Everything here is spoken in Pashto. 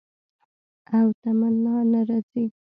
او تمنا نه راځي